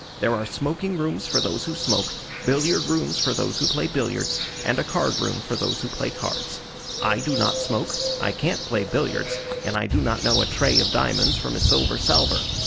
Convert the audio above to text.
There are smoking rooms for those who smoke, billiard rooms for those who play billiards, and a card room for those who play cards. I do not smoke, I can't play billiards, and I do not know a trey of diamonds from a silver salver.